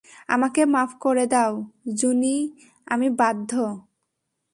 আমাকে মাফ করে দাও জুনি, আমি বাধ্য।